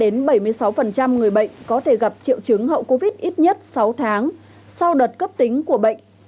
ba mươi ba bảy mươi sáu người bệnh có thể gặp triệu chứng hậu covid ít nhất sáu tháng sau đợt cấp tính của bệnh